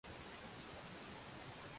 Naondoka wangu moyo, nikuitapo itika